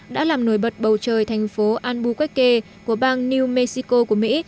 đã làm nổi bật bầu trời thành phố albuquerque của bang new mexico của mỹ